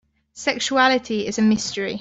Sexuality is a mystery.